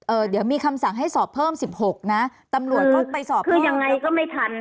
เดี๋ยวมีคำสั่งให้สอบเพิ่มสิบหกนะตำรวจก็ไปสอบคือยังไงก็ไม่ทัน